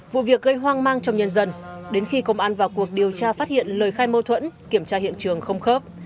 vụ việc gây hoang mang trong nhân dân đến khi công an vào cuộc điều tra phát hiện lời khai mâu thuẫn kiểm tra hiện trường không khớp